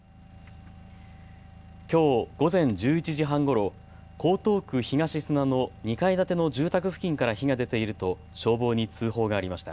きょう午前１１時半ごろ、江東区東砂の２階建ての住宅付近から火が出ていると消防に通報がありました。